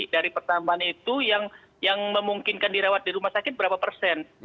dari pertambahan itu yang memungkinkan dirawat di rumah sakit berapa persen